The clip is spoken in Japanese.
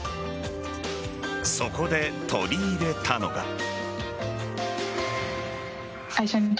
そこで取り入れたのが。